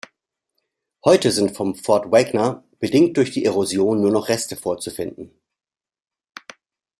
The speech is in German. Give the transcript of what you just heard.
Heute sind vom Fort Wagner, bedingt durch die Erosion, nur noch Reste vorzufinden.